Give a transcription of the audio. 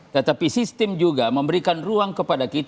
tetapi sistem juga memberikan ruang kepada kita